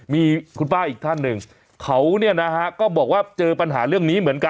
มีคุณป้าอีกท่านหนึ่งเขาก็บอกว่าเจอปัญหาเรื่องนี้เหมือนกัน